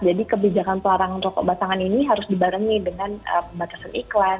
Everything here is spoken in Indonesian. jadi kebijakan pelarangan rokok batangan ini harus dibarengi dengan batasan iklan